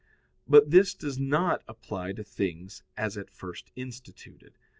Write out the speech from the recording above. But this does not apply to things as at first instituted.